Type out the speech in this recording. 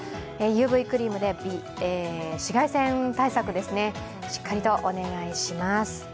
ＵＶクリームで紫外線対策ですね、しっかりとお願いします。